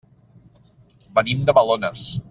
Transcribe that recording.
Venim de Balones.